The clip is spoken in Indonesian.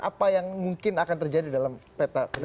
apa yang mungkin akan terjadi dalam peta tersebut